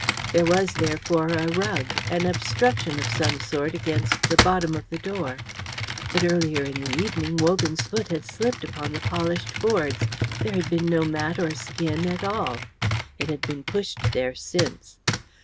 There was, therefore, a rug, an obstruction of some sort against the bottom of the door. But earlier in the evening Wogan's foot had slipped upon the polished boards; there had been no mat or skin at all. It had been pushed there since.